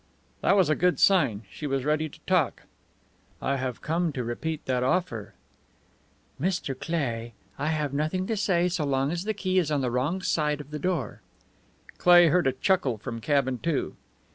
That was a good sign; she was ready to talk. "I have come to repeat that offer." "Mr. Cleigh, I have nothing to say so long as the key is on the wrong side of the door." Cleigh heard a chuckle from Cabin Two.